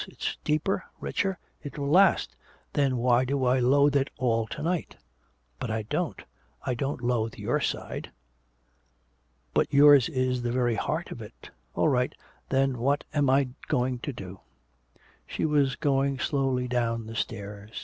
It's deeper, richer, it will last!... Then why do I loathe it all to night?... But I don't, I only loathe your side!... But yours is the very heart of it!... All right, then what am I going to do?" She was going slowly down the stairs.